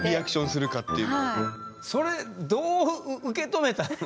それどう受け止めたの？